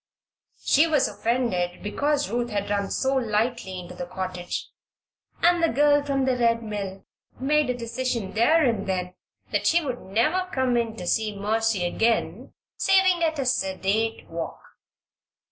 She was offended because Ruth had run so lightly into the cottage and the girl from the Red Mill made a decision there and then that she would never come in to see Mercy again saving at a sedate walk.